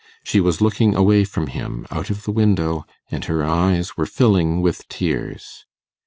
She was looking away from him, out of the window, and hereyes were filling with tears.